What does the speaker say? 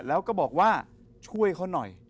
แล้วก็บอกว่าช่วยเขาหน่อย